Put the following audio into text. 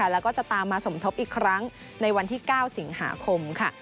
แล้วก็จะตามมาสมทบอีกครั้งในวันที่๙สิงหาคมค่ะ